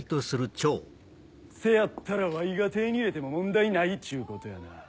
せやったらわいが手ぇに入れても問題ないちゅうことやな。